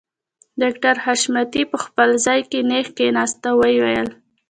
ډاکټر حشمتي په خپل ځای کې نېغ کښېناسته او ويې ويل